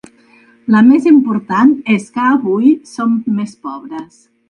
La més important és que avui som més pobres.